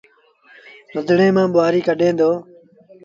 رڌڻي مآݩ ٻوهآريٚ ڪڍي دو۔